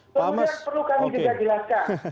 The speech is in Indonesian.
kemudian perlu kami juga jelaskan